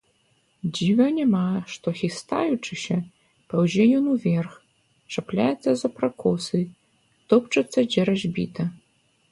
Дзіва няма, што, хістаючыся, паўзе ён уверх, чапляецца за пракосы, топчацца, дзе разбіта.